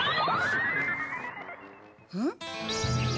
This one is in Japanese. うん？